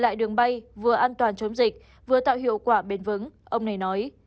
lại đường bay vừa an toàn chống dịch vừa tạo hiệu quả bền vững ông này nói